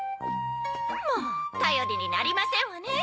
もうたよりになりませんわね。